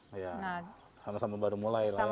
kayak sama sama baru mulai lah ya